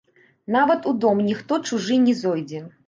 Нават у дом ніхто чужы не зойдзе.